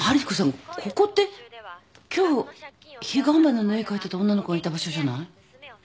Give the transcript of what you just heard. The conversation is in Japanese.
ここって今日彼岸花の絵描いてた女の子がいた場所じゃない？